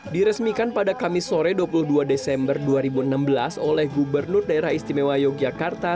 diresmikan pada kamis sore dua puluh dua desember dua ribu enam belas oleh gubernur daerah istimewa yogyakarta